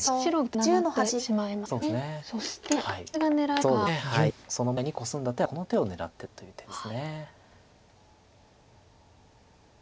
今その前にコスんだ手はこの手を狙ってたという手です。